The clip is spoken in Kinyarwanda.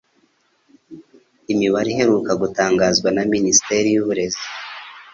Imibare iheruka gutangazwa na Minisiteri y'Uburezi